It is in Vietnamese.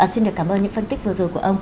xin được cảm ơn những phân tích vừa rồi của ông